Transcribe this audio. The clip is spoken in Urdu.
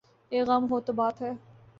ایک غم ہو تو بات ہے۔